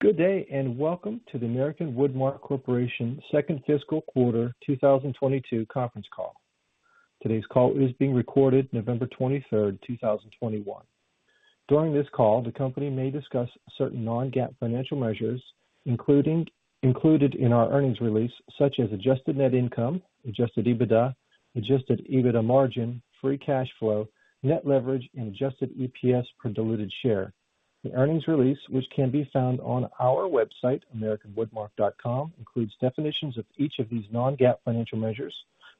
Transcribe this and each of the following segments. Good day, and welcome to the American Woodmark Corporation second fiscal quarter 2022 conference call. Today's call is being recorded November 23rd, 2021. During this call, the company may discuss certain non-GAAP financial measures, included in our earnings release, such as adjusted net income, adjusted EBITDA, adjusted EBITDA margin, free cash flow, net leverage, and adjusted EPS per diluted share. The earnings release, which can be found on our website, americanwoodmark.com, includes definitions of each of these non-GAAP financial measures,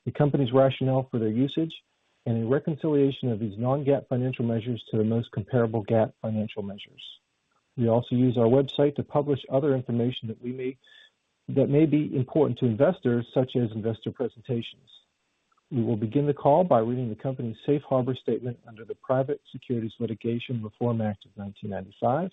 the company's rationale for their usage, and a reconciliation of these non-GAAP financial measures to the most comparable GAAP financial measures. We also use our website to publish other information that may be important to investors, such as investor presentations. We will begin the call by reading the company's Safe Harbor statement under the Private Securities Litigation Reform Act of 1995.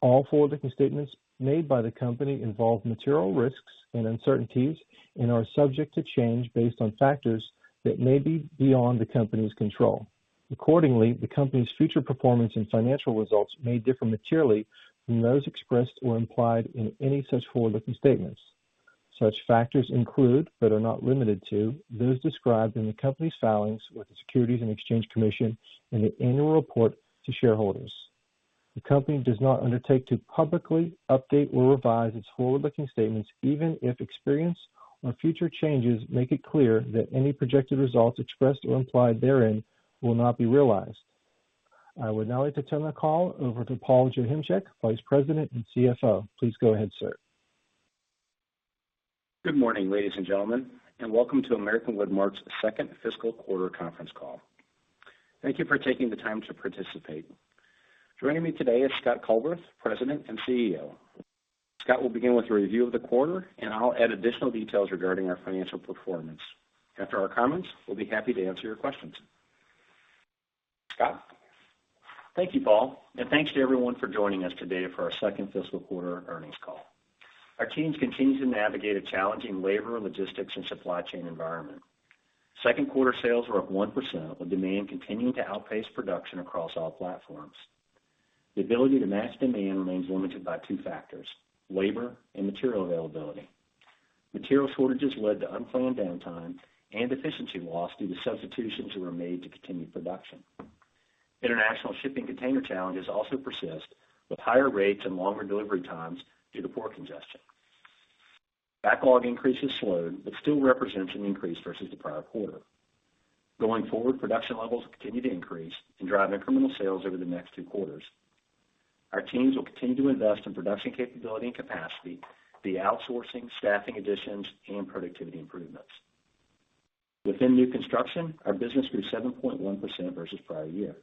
All forward-looking statements made by the company involve material risks and uncertainties and are subject to change based on factors that may be beyond the company's control. Accordingly, the company's future performance and financial results may differ materially from those expressed or implied in any such forward-looking statements. Such factors include, but are not limited to, those described in the company's filings with the Securities and Exchange Commission and the Annual Report to Shareholders. The company does not undertake to publicly update or revise its forward-looking statements, even if experience or future changes make it clear that any projected results expressed or implied therein will not be realized. I would now like to turn the call over to Paul Joachimczyk, Vice President and CFO. Please go ahead, sir. Good morning, ladies and gentlemen, and welcome to American Woodmark's second fiscal quarter conference call. Thank you for taking the time to participate. Joining me today is Scott Culbreth, President and CEO. Scott will begin with a review of the quarter, and I'll add additional details regarding our financial performance. After our comments, we'll be happy to answer your questions. Scott? Thank you, Paul, and thanks to everyone for joining us today for our second fiscal quarter earnings call. Our teams continue to navigate a challenging labor, logistics, and supply chain environment. Second quarter sales were up 1%, with demand continuing to outpace production across all platforms. The ability to match demand remains limited by two factors, labor and material availability. Material shortages led to unplanned downtime and efficiency loss due to substitutions that were made to continue production. International shipping container challenges also persist, with higher rates and longer delivery times due to port congestion. Backlog increases slowed but still represents an increase versus the prior quarter. Going forward, production levels will continue to increase and drive incremental sales over the next two quarters. Our teams will continue to invest in production capability and capacity via outsourcing, staffing additions, and productivity improvements. Within new construction, our business grew 7.1% versus prior year.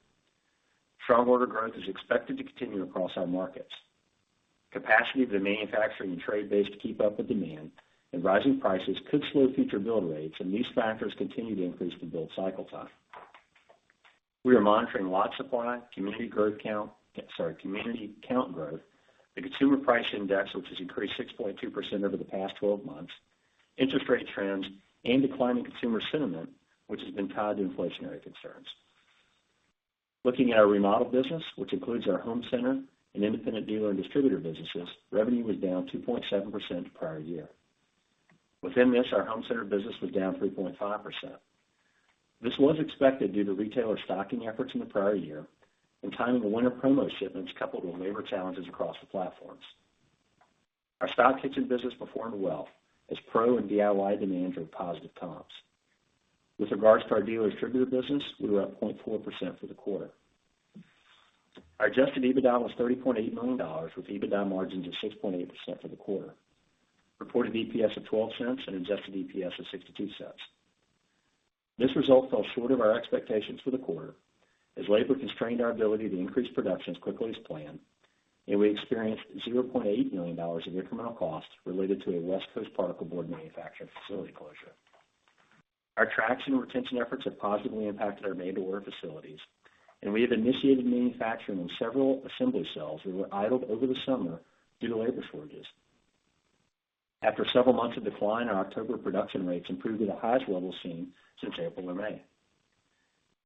Strong order growth is expected to continue across our markets. Capacity of the manufacturing and trade base to keep up with demand and rising prices could slow future build rates, and these factors continue to increase the build cycle time. We are monitoring lot supply, community count growth, the Consumer Price Index, which has increased 6.2% over the past 12 months, interest rate trends, and declining consumer sentiment, which has been tied to inflationary concerns. Looking at our remodel business, which includes our home center and independent dealer and distributor businesses, revenue was down 2.7% prior year. Within this, our home center business was down 3.5%. This was expected due to retailer stocking efforts in the prior year and timing of winter promo shipments coupled with labor challenges across the platforms. Our stock kitchen business performed well as pro and DIY demand drove positive comps. With regards to our dealer distributor business, we were up 0.4% for the quarter. Our adjusted EBITDA was $30.8 million with EBITDA margins of 6.8% for the quarter. Reported EPS of $0.12 and adjusted EPS of $0.62. This result fell short of our expectations for the quarter as labor constrained our ability to increase production as quickly as planned, and we experienced $0.8 million of incremental costs related to a West Coast particle board manufacturing facility closure. Our attraction and retention efforts have positively impacted our made-to-order facilities, and we have initiated manufacturing of several assembly cells that were idled over the summer due to labor shortages. After several months of decline, our October production rates improved to the highest levels seen since April and May.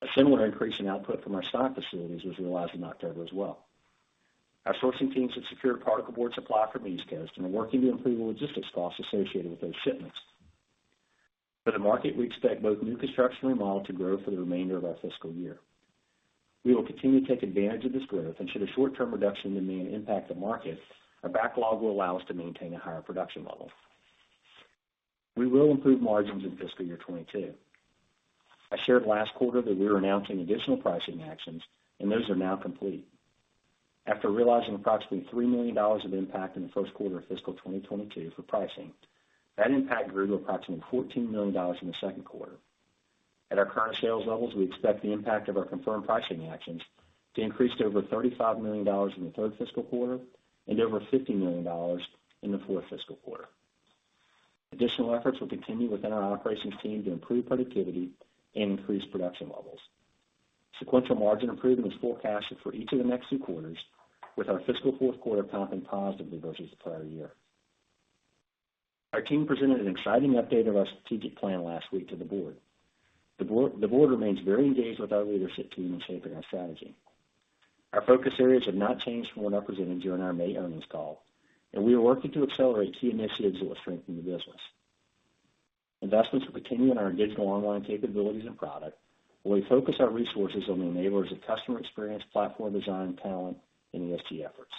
A similar increase in output from our stock facilities was realized in October as well. Our sourcing teams have secured particle board supply from the East Coast and are working to improve the logistics costs associated with those shipments. For the market, we expect both new construction and remodel to grow for the remainder of our fiscal year. We will continue to take advantage of this growth, and should a short-term reduction in demand impact the market, our backlog will allow us to maintain a higher production level. We will improve margins in fiscal year 2022. I shared last quarter that we were announcing additional pricing actions, and those are now complete. After realizing approximately $3 million of impact in the first quarter of fiscal 2022 for pricing, that impact grew to approximately $14 million in the second quarter. At our current sales levels, we expect the impact of our confirmed pricing actions to increase to over $35 million in the third fiscal quarter and over $50 million in the fourth fiscal quarter. Additional efforts will continue within our operations team to improve productivity and increase production levels. Sequential margin improvement is forecasted for each of the next two quarters, with our fiscal fourth quarter comping positively versus the prior year. Our team presented an exciting update of our strategic plan last week to the board. The board remains very engaged with our leadership team in shaping our strategy. Our focus areas have not changed from what was presented during our May earnings call, and we are working to accelerate key initiatives that will strengthen the business. Investments will continue in our digital online capabilities and product, where we focus our resources on the enablers of customer experience, platform design, talent, and ESG efforts.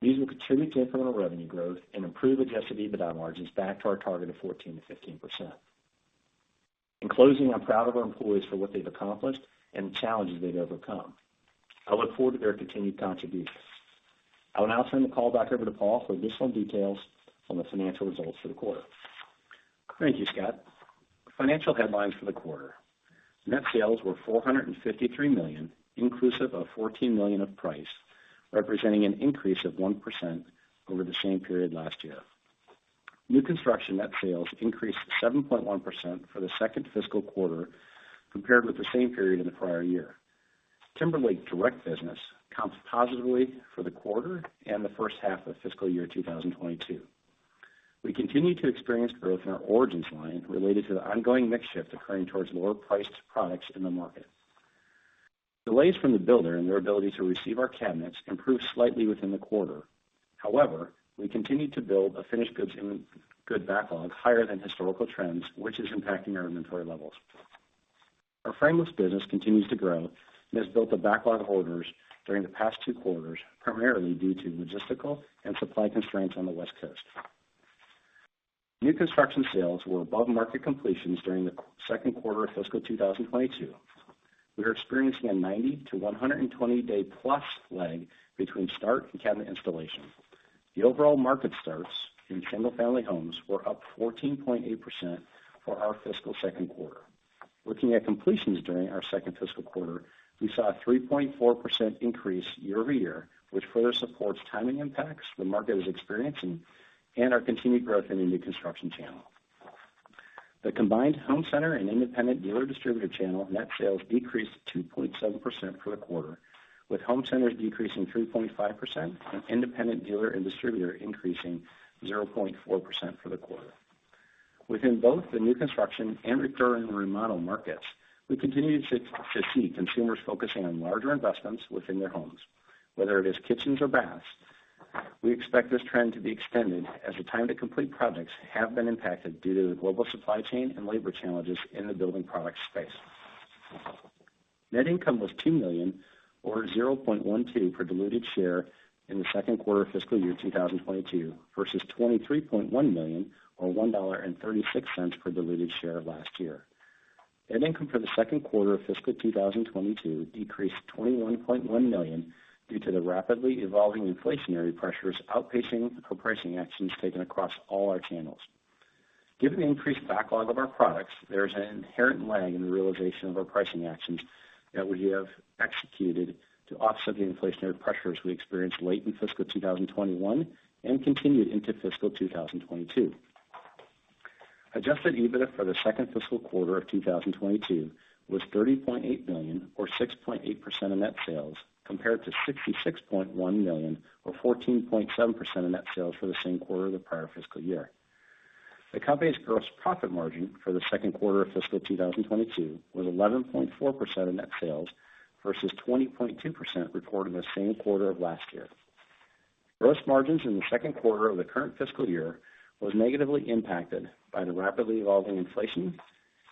These will contribute to incremental revenue growth and improve adjusted EBITDA margins back to our target of 14%-15%. In closing, I'm proud of our employees for what they've accomplished and the challenges they've overcome. I look forward to their continued contributions. I will now turn the call back over to Paul for additional details on the financial results for the quarter. Thank you, Scott. Financial headlines for the quarter. Net sales were $453 million, inclusive of $14 million of price, representing an increase of 1% over the same period last year. New construction net sales increased 7.1% for the second fiscal quarter compared with the same period in the prior year. Timberlake direct business comps positively for the quarter and the first half of fiscal year 2022. We continue to experience growth in our Origins line related to the ongoing mix shift occurring towards lower priced products in the market. Delays from the builder and their ability to receive our cabinets improved slightly within the quarter. However, we continued to build a finished goods inventory backlog higher than historical trends, which is impacting our inventory levels. Our frameless business continues to grow and has built a backlog of orders during the past two quarters, primarily due to logistical and supply constraints on the West Coast. New construction sales were above market completions during the second quarter of fiscal 2022. We are experiencing a 90- to 120+ day lag between start and cabinet installation. The overall housing starts in single-family homes were up 14.8% for our fiscal second quarter. Looking at completions during our second fiscal quarter, we saw a 3.4% increase year-over-year, which further supports timing impacts the market is experiencing and our continued growth in the new construction channel. The combined home center and independent dealer and distributor channel net sales decreased 2.7% for the quarter, with home centers decreasing 3.5% and independent dealer and distributor increasing 0.4% for the quarter. Within both the new construction and recurring remodel markets, we continue to see consumers focusing on larger investments within their homes, whether it is kitchens or baths. We expect this trend to be extended as the time to complete projects have been impacted due to the global supply chain and labor challenges in the building product space. Net income was $2 million or $0.12 per diluted share in the second quarter of fiscal year 2022 versus $23.1 million or $1.36 per diluted share of last year. Net income for the second quarter of fiscal 2022 decreased $21.1 million due to the rapidly evolving inflationary pressures outpacing the pricing actions taken across all our channels. Given the increased backlog of our products, there is an inherent lag in the realization of our pricing actions that we have executed to offset the inflationary pressures we experienced late in fiscal 2021 and continued into fiscal 2022. Adjusted EBITDA for the second fiscal quarter of 2022 was $30.8 million or 6.8% of net sales, compared to $66.1 million or 14.7% of net sales for the same quarter of the prior fiscal year. The company's gross profit margin for the second quarter of fiscal 2022 was 11.4% of net sales versus 20.2% reported in the same quarter of last year. Gross margins in the second quarter of the current fiscal year was negatively impacted by the rapidly evolving inflation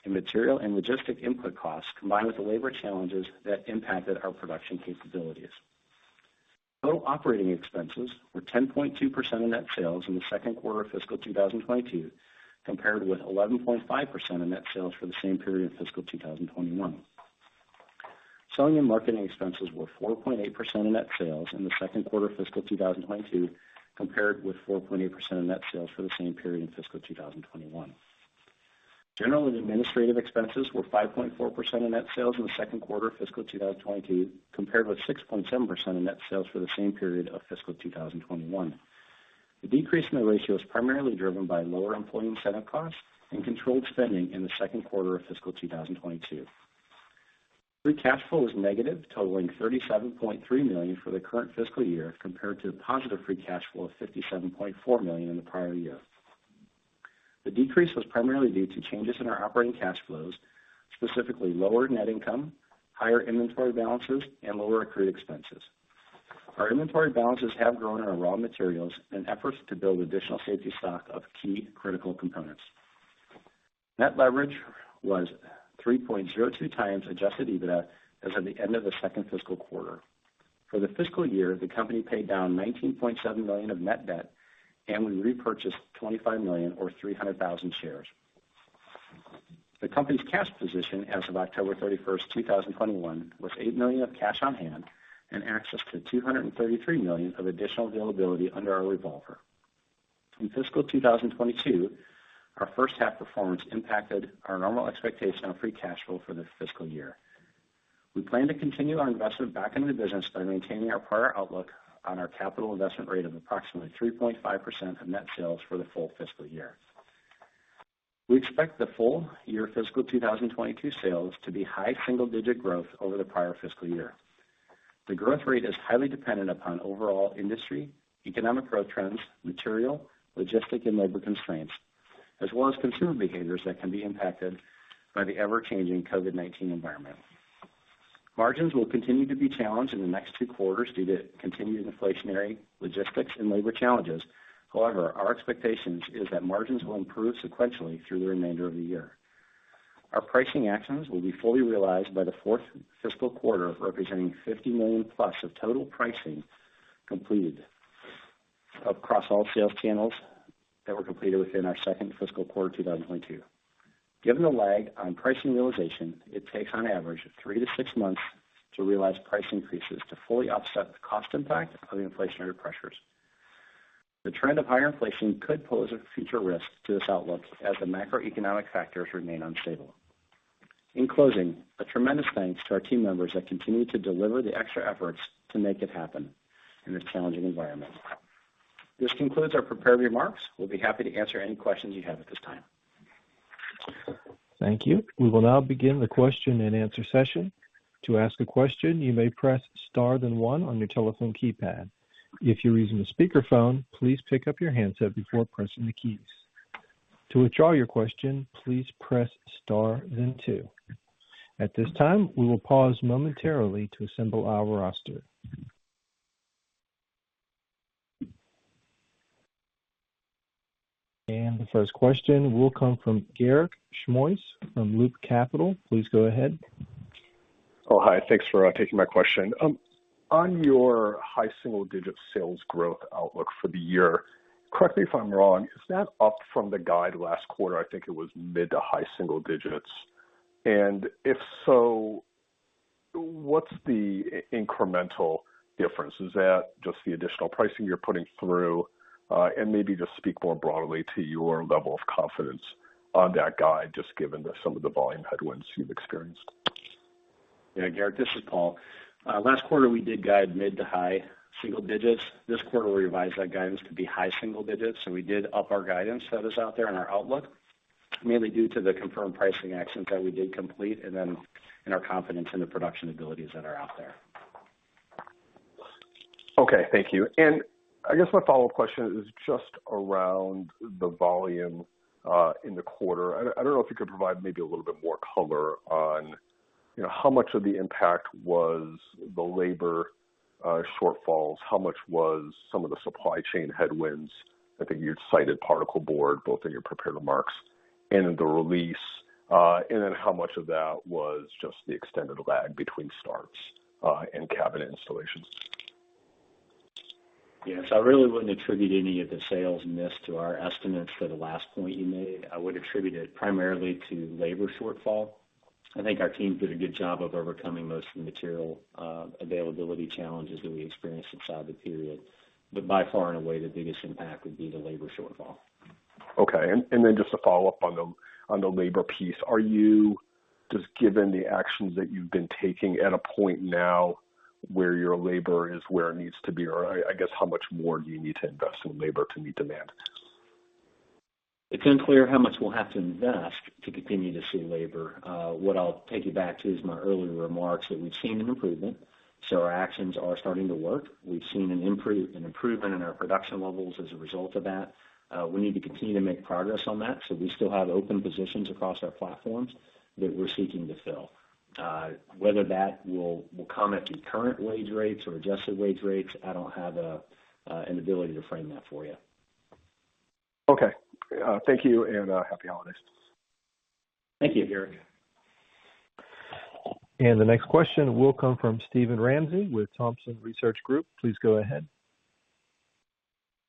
and material and logistics input costs, combined with the labor challenges that impacted our production capabilities. Total operating expenses were 10.2% of net sales in the second quarter of fiscal 2022, compared with 11.5% of net sales for the same period in fiscal 2021. Selling and marketing expenses were 4.8% of net sales in the second quarter of fiscal 2022, compared with 4.8% of net sales for the same period in fiscal 2021. General and administrative expenses were 5.4% of net sales in the second quarter of fiscal 2022, compared with 6.7% of net sales for the same period of fiscal 2021. The decrease in the ratio was primarily driven by lower employee incentive costs and controlled spending in the second quarter of fiscal 2022. Free cash flow was negative, totaling $37.3 million for the current fiscal year, compared to the positive free cash flow of $57.4 million in the prior year. The decrease was primarily due to changes in our operating cash flows, specifically lower net income, higher inventory balances and lower accrued expenses. Our inventory balances have grown in our raw materials in efforts to build additional safety stock of key critical components. Net leverage was 3.02x adjusted EBITDA as of the end of the second fiscal quarter. For the fiscal year, the company paid down $19.7 million of net debt, and we repurchased $25 million or 300,000 shares. The company's cash position as of October 31st, 2021 was $8 million of cash on hand and access to $233 million of additional availability under our revolver. In fiscal 2022, our first half performance impacted our normal expectation of free cash flow for the fiscal year. We plan to continue our investment back into the business by maintaining our prior outlook on our capital investment rate of approximately 3.5% of net sales for the full fiscal year. We expect the full year fiscal 2022 sales to be high single-digit growth over the prior fiscal year. The growth rate is highly dependent upon overall industry, economic growth trends, material, logistics and labor constraints, as well as consumer behaviors that can be impacted by the ever-changing COVID-19 environment. Margins will continue to be challenged in the next two quarters due to continued inflationary logistics and labor challenges. However, our expectations is that margins will improve sequentially through the remainder of the year. Our pricing actions will be fully realized by the fourth fiscal quarter, representing $50+ million of total pricing completed across all sales channels that were completed within our second fiscal quarter 2022. Given the lag on pricing realization, it takes on average three to six months to realize price increases to fully offset the cost impact of inflationary pressures. The trend of higher inflation could pose a future risk to this outlook as the macroeconomic factors remain unstable. In closing, a tremendous thanks to our team members that continue to deliver the extra efforts to make it happen in this challenging environment. This concludes our prepared remarks. We'll be happy to answer any questions you have at this time. Thank you. We will now begin the question-and-answer session. To ask a question, you may press star then one on your telephone keypad. If you're using a speakerphone, please pick up your handset before pressing the keys. To withdraw your question, please press star then two. At this time, we will pause momentarily to assemble our roster. The first question will come from Garik Shmois from Loop Capital. Please go ahead. Oh, hi. Thanks for taking my question. On your high single-digit sales growth outlook for the year, correct me if I'm wrong, is that up from the guide last quarter? I think it was mid to high single digits. If so, what's the incremental difference? Is that just the additional pricing you're putting through? Maybe just speak more broadly to your level of confidence on that guide, just given some of the volume headwinds you've experienced. Yeah. Garik, this is Paul. Last quarter, we did guide mid to high single digits. This quarter, we revised that guidance to be high single digits. We did up our guidance that is out there in our outlook, mainly due to the confirmed pricing actions that we did complete and then in our confidence in the production abilities that are out there. Okay, thank you. I guess my follow-up question is just around the volume in the quarter. I don't know if you could provide maybe a little bit more color on, you know, how much of the impact was the labor shortfalls? How much was some of the supply chain headwinds? I think you'd cited particle board both in your prepared remarks and in the release. And then how much of that was just the extended lag between starts and cabinet installations? Yes. I really wouldn't attribute any of the sales miss to our estimates for the last point you made. I would attribute it primarily to labor shortfall. I think our team did a good job of overcoming most of the material availability challenges that we experienced inside the period, but by far and away, the biggest impact would be the labor shortfall. Okay. Then just to follow up on the labor piece. Are you just given the actions that you've been taking at a point now where your labor is where it needs to be? Or I guess, how much more do you need to invest in labor to meet demand? It's unclear how much we'll have to invest to continue to see labor. What I'll take you back to is my earlier remarks that we've seen an improvement, so our actions are starting to work. We've seen an improvement in our production levels as a result of that. We need to continue to make progress on that. We still have open positions across our platforms that we're seeking to fill. Whether that will come at the current wage rates or adjusted wage rates, I don't have an ability to frame that for you. Okay. Thank you, and happy holidays. Thank you, Garik. The next question will come from Steven Ramsey with Thompson Research Group. Please go ahead.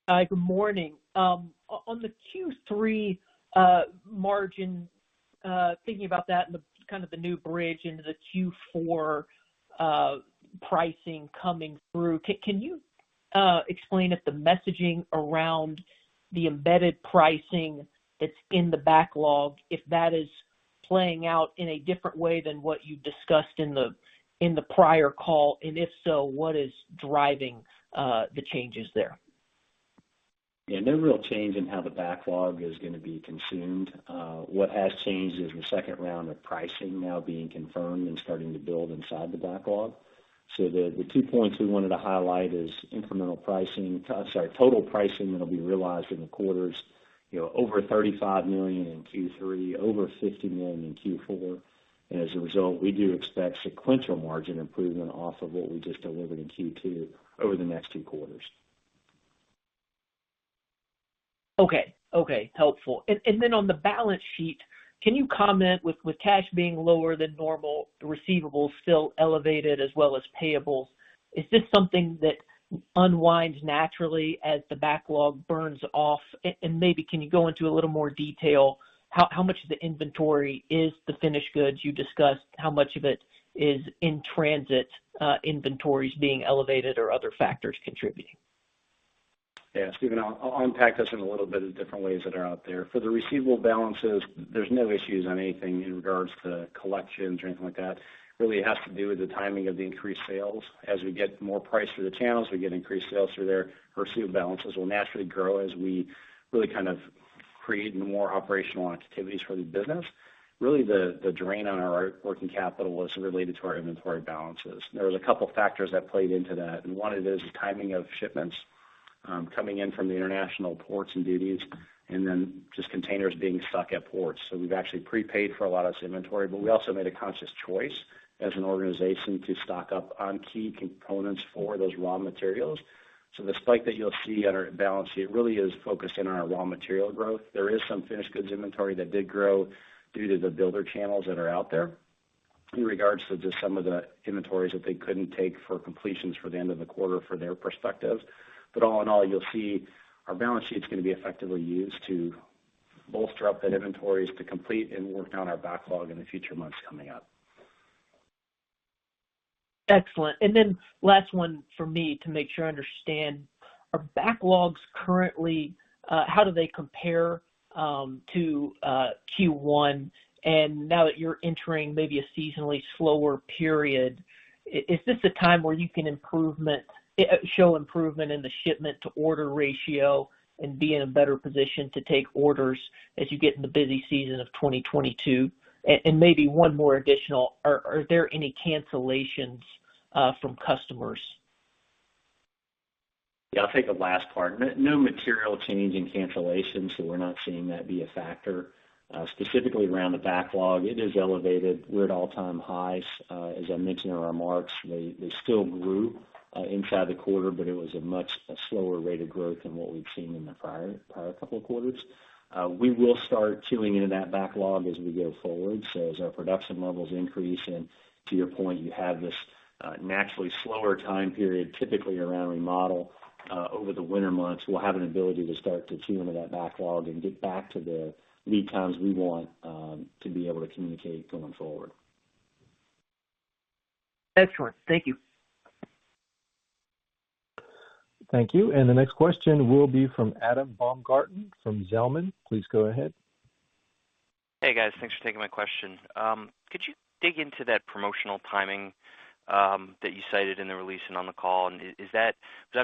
Hi. Good morning. On the Q3 margin, thinking about that and the kind of new bridge into the Q4, pricing coming through. Can you explain if the messaging around the embedded pricing that's in the backlog, if that is playing out in a different way than what you discussed in the prior call? And if so, what is driving the changes there? Yeah. No real change in how the backlog is gonna be consumed. What has changed is the second round of pricing now being confirmed and starting to build inside the backlog. The two points we wanted to highlight is total pricing that'll be realized in the quarters, you know, over $35 million in Q3, over $50 million in Q4. As a result, we do expect sequential margin improvement off of what we just delivered in Q2 over the next two quarters. Okay. Helpful. On the balance sheet, can you comment with cash being lower than normal, the receivables still elevated as well as payables. Is this something that unwinds naturally as the backlog burns off? Maybe can you go into a little more detail how much of the inventory is the finished goods you discussed? How much of it is in transit, inventories being elevated or other factors contributing? Yeah. Steven, I'll unpack this in a little bit of different ways that are out there. For the receivable balances, there's no issues on anything in regards to collections or anything like that. Really, it has to do with the timing of the increased sales. As we get more price through the channels, we get increased sales through there. Our receivable balances will naturally grow as we really kind of create more operational activities for the business. Really, the drain on our working capital was related to our inventory balances. There was a couple factors that played into that, and one of it is the timing of shipments coming in from the international ports and duties, and then just containers being stuck at ports. We've actually prepaid for a lot of this inventory, but we also made a conscious choice as an organization to stock up on key components for those raw materials. The spike that you'll see on our balance sheet really is focused in on our raw material growth. There is some finished goods inventory that did grow due to the builder channels that are out there in regards to just some of the inventories that they couldn't take for completions for the end of the quarter for their projects. All in all, you'll see our balance sheet's gonna be effectively used to bolster up that inventories to complete and work down our backlog in the future months coming up. Excellent. Last one from me to make sure I understand. Are backlogs currently, how do they compare, to Q1? Now that you're entering maybe a seasonally slower period, is this a time where you can show improvement in the shipment to order ratio and be in a better position to take orders as you get in the busy season of 2022? And maybe one more additional. Are there any cancellations, from customers? Yeah, I'll take the last part. No material change in cancellations, so we're not seeing that be a factor. Specifically around the backlog, it is elevated. We're at all-time highs. As I mentioned in our remarks, they still grew inside the quarter, but it was a much slower rate of growth than what we've seen in the prior couple of quarters. We will start chewing into that backlog as we go forward. As our production levels increase, and to your point, you have this naturally slower time period typically around remodel over the winter months, we'll have an ability to start to chew into that backlog and get back to the lead times we want to be able to communicate going forward. Excellent. Thank you. Thank you. The next question will be from Adam Baumgarten from Zelman. Please go ahead. Hey, guys. Thanks for taking my question. Could you dig into that promotional timing that you cited in the release and on the call? Is that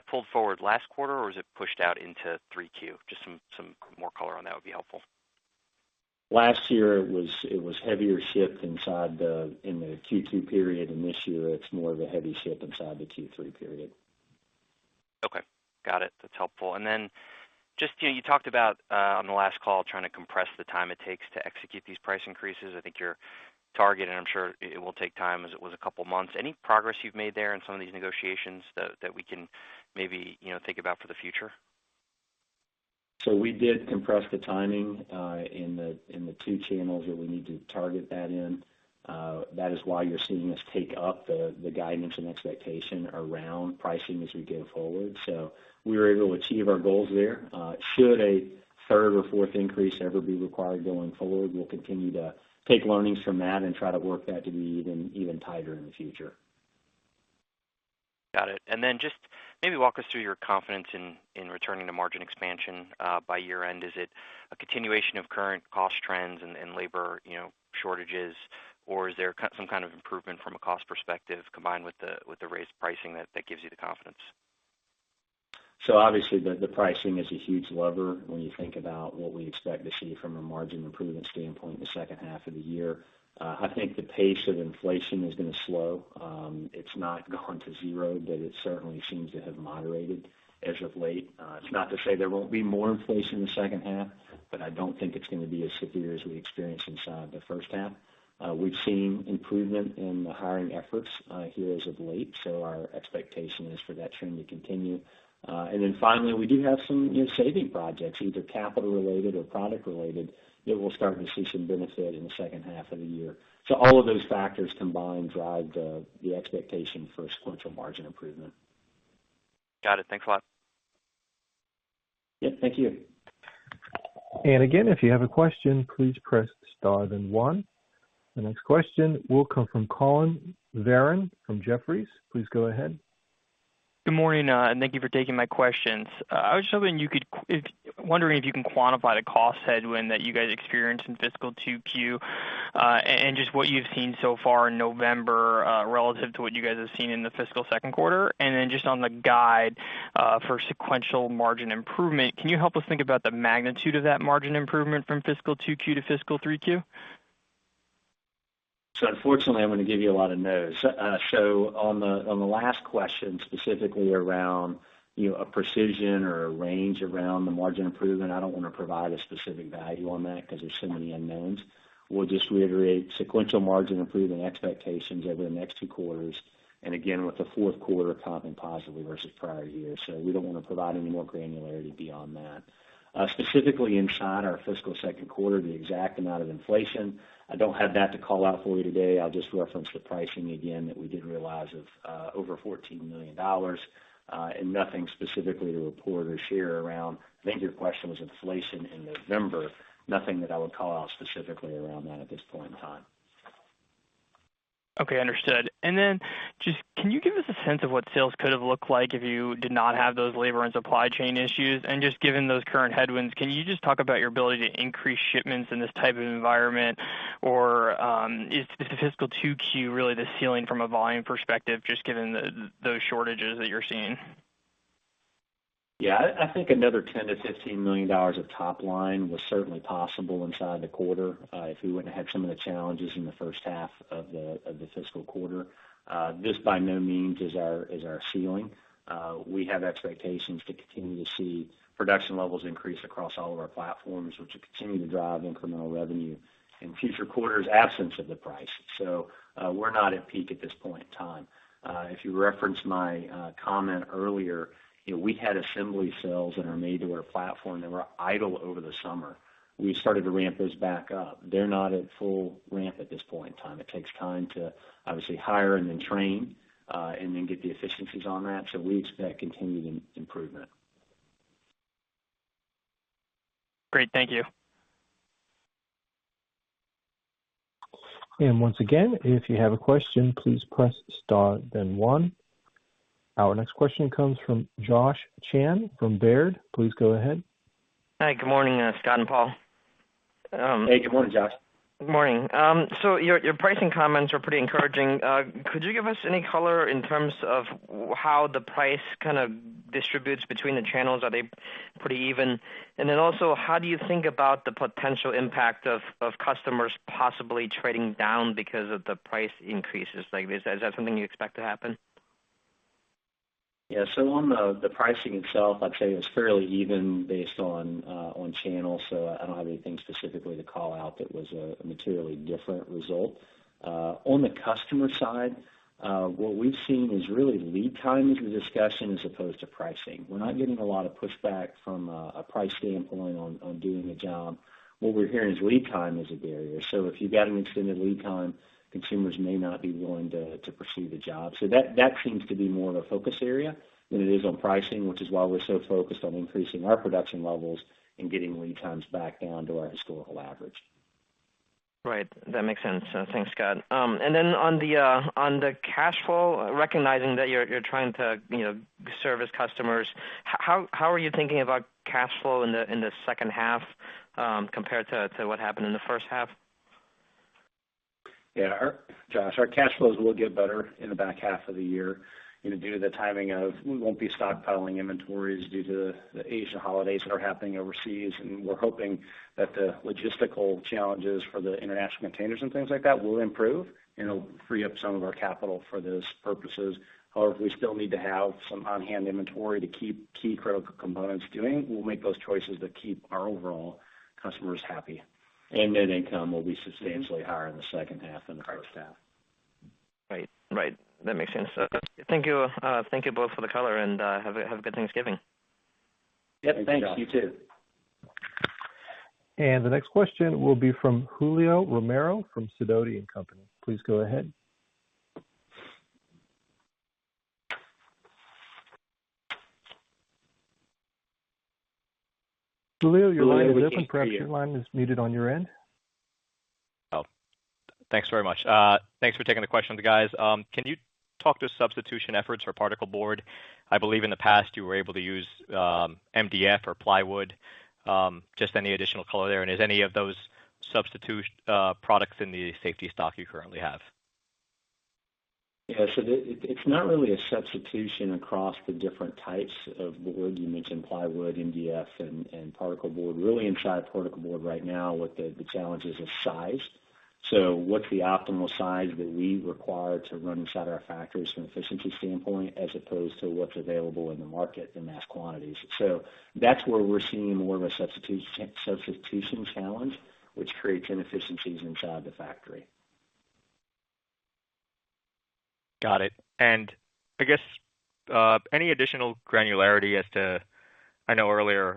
pulled forward last quarter, or is it pushed out into 3Q? Just some more color on that would be helpful. Last year, it was heavier shift in the Q2 period, and this year it's more of a heavy shift in the Q3 period. Okay. Got it. That's helpful. Just, you know, you talked about on the last call trying to compress the time it takes to execute these price increases. I think your target, and I'm sure it will take time as it was a couple months. Any progress you've made there in some of these negotiations that we can maybe, you know, think about for the future? We did compress the timing in the two channels that we need to target that in. That is why you're seeing us take up the guidance and expectation around pricing as we go forward. We were able to achieve our goals there. Should a third or fourth increase ever be required going forward, we'll continue to take learnings from that and try to work that to be even tighter in the future. Got it. Just maybe walk us through your confidence in returning to margin expansion by year end. Is it a continuation of current cost trends and labor, you know, shortages, or is there some kind of improvement from a cost perspective combined with the raised pricing that gives you the confidence? Obviously the pricing is a huge lever when you think about what we expect to see from a margin improvement standpoint in the second half of the year. I think the pace of inflation is gonna slow. It's not gone to zero, but it certainly seems to have moderated as of late. It's not to say there won't be more inflation in the second half, but I don't think it's gonna be as severe as we experienced inside the first half. We've seen improvement in the hiring efforts here as of late, so our expectation is for that trend to continue. And then finally, we do have some, you know, saving projects, either capital related or product related, that we'll start to see some benefit in the second half of the year. All of those factors combined drive the expectation for sequential margin improvement. Got it. Thanks a lot. Yeah. Thank you. Again, if you have a question, please press star then one. The next question will come from Collin Verron from Jefferies. Please go ahead. Good morning, and thank you for taking my questions. I was just wondering if you can quantify the cost headwind that you guys experienced in fiscal 2Q, and just what you've seen so far in November, relative to what you guys have seen in the fiscal second quarter. Then just on the guide, for sequential margin improvement, can you help us think about the magnitude of that margin improvement from fiscal 2Q to fiscal 3Q? Unfortunately, I'm gonna give you a lot of no's. On the last question, specifically around, you know, a precision or a range around the margin improvement, I don't wanna provide a specific value on that 'cause there's so many unknowns. We'll just reiterate sequential margin improvement expectations over the next two quarters, and again, with the fourth quarter comping positively versus prior year. We don't wanna provide any more granularity beyond that. Specifically inside our fiscal second quarter, the exact amount of inflation, I don't have that to call out for you today. I'll just reference the pricing again that we did realize of over $14 million, and nothing specifically to report or share around I think your question was inflation in November. Nothing that I would call out specifically around that at this point in time. Okay. Understood. Just can you give us a sense of what sales could have looked like if you did not have those labor and supply chain issues? Just given those current headwinds, can you just talk about your ability to increase shipments in this type of environment? Or, is the fiscal 2Q really the ceiling from a volume perspective just given the, those shortages that you're seeing? I think another $10 million-$15 million of top line was certainly possible inside the quarter, if we wouldn't have had some of the challenges in the first half of the fiscal quarter. This by no means is our ceiling. We have expectations to continue to see production levels increase across all of our platforms, which will continue to drive incremental revenue in future quarters, absent the price. We're not at peak at this point in time. If you reference my comment earlier, you know, we had assembly sales in our made-to-order platform that were idle over the summer. We started to ramp those back up. They're not at full ramp at this point in time. It takes time to obviously hire and then train and then get the efficiencies on that. We expect continued improvement. Great. Thank you. Once again, if you have a question, please press star then one. Our next question comes from Josh Chan from Baird. Please go ahead. Hi, good morning, Scott and Paul. Hey, good morning, Josh. Good morning. Your pricing comments are pretty encouraging. Could you give us any color in terms of how the price kind of distributes between the channels? Are they pretty even? How do you think about the potential impact of customers possibly trading down because of the price increases like this? Is that something you expect to happen? Yeah. On the pricing itself, I'd say it was fairly even based on channels, so I don't have anything specifically to call out that was a materially different result. On the customer side, what we've seen is really lead times we're discussing as opposed to pricing. We're not getting a lot of pushback from a price standpoint on doing a job. What we're hearing is lead time is a barrier. If you've got an extended lead time, consumers may not be willing to pursue the job. That seems to be more of a focus area than it is on pricing, which is why we're so focused on increasing our production levels and getting lead times back down to our historical average. Right. That makes sense. Thanks, Scott. On the cash flow, recognizing that you're trying to, you know, service customers, how are you thinking about cash flow in the second half, compared to what happened in the first half? Yeah. Josh, our cash flows will get better in the back half of the year, you know, due to the timing of we won't be stockpiling inventories due to the Asian holidays that are happening overseas, and we're hoping that the logistical challenges for the international containers and things like that will improve. It'll free up some of our capital for those purposes. However, we still need to have some on-hand inventory to keep key critical components doing. We'll make those choices that keep our overall customers happy. And net income will be substantially higher in the second half than the first half. Right. That makes sense. Thank you. Thank you both for the color and have a good Thanksgiving. Yep. Thanks. You too. The next question will be from Julio Romero from Sidoti & Company. Please go ahead. Julio, your line is open. Perhaps your line is muted on your end. Thanks very much. Thanks for taking the question, guys. Can you talk to substitution efforts for particle board? I believe in the past you were able to use MDF or plywood. Just any additional color there, and is any of those substitute products in the safety stock you currently have? Yeah. It's not really a substitution across the different types of boards. You mentioned plywood, MDF, and particleboard. Really inside particleboard right now, the challenge is of size. What's the optimal size that we require to run inside our factories from efficiency standpoint as opposed to what's available in the market in mass quantities. That's where we're seeing more of a substitution challenge which creates inefficiencies inside the factory. Got it. I guess any additional granularity as to, I know earlier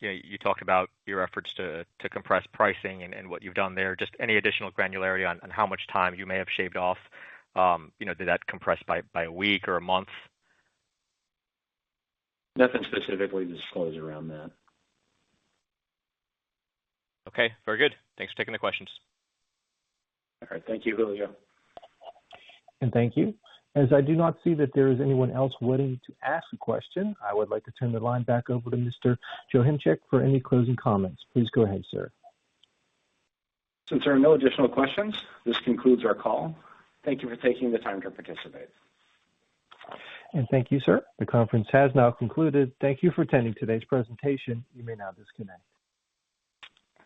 you know you talked about your efforts to compress pricing and what you've done there, just any additional granularity on how much time you may have shaved off? You know, did that compress by a week or a month? Nothing specifically to disclose around that. Okay, very good. Thanks for taking the questions. All right. Thank you, Julio. Thank you. As I do not see that there is anyone else waiting to ask a question, I would like to turn the line back over to Mr. Joachimczyk for any closing comments. Please go ahead, sir. Since there are no additional questions, this concludes our call. Thank you for taking the time to participate. Thank you, sir. The conference has now concluded. Thank you for attending today's presentation. You may now disconnect.